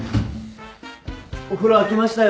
お風呂空きましたよ。